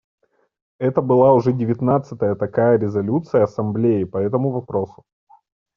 Это была уже девятнадцатая такая резолюция Ассамблеи по этому вопросу.